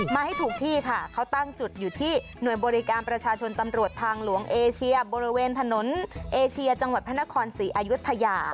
มาให้ถูกที่ค่ะเขาตั้งจุดอยู่ที่หน่วยบริการประชาชนตำรวจทางหลวงเอเชียบริเวณถนนเอเชียจังหวัดพระนครศรีอายุทยา